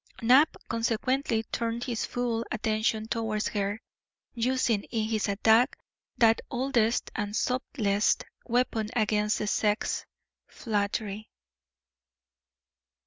Knapp, consequently, turned his full attention towards her, using in his attack that oldest and subtlest weapon against the sex flattery.